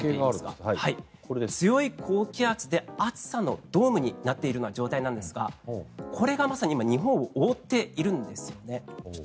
強い高気圧で暑さのドームになっている状態なんですがこれがまさに今日本を覆っているんですね。